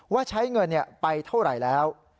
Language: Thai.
ว่าใช้เงินไปเท่าไหร่แล้ว